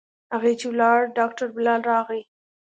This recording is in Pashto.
هغه چې ولاړ ډاکتر بلال راغى.